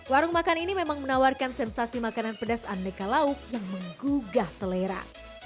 warung makan ini memang menawarkan sensasi makanan pedas aneka lauk yang menggugah selera